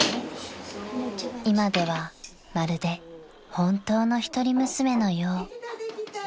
［今ではまるで本当の一人娘のよう］